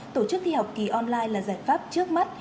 tổ chức thi học kỳ online là giải pháp trước mắt